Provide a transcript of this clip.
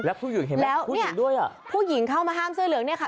แล้วผู้หญิงเข้ามาห้ามเสื้อเหลืองนี่ค่ะ